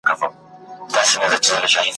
پر هغه لاره مي یون دی نازوه مي ,